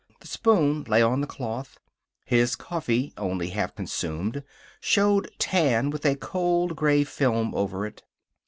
The spoon lay on the cloth. His coffee, only half consumed, showed tan with a cold gray film over it.